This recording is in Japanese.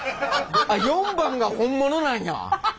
あっ４番が本物なんや。